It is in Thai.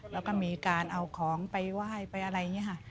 แล้วก็มีการเอาของไปไหว้ไปอะไรอย่างนี้ค่ะ